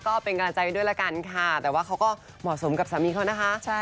ก็เป็นกำลังใจด้วยละกันค่ะแต่ว่าเขาก็เหมาะสมกับสามีเขานะคะ